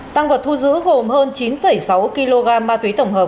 tăng vật thu giữ gồm hơn chín sáu kg ma túy tổng hợp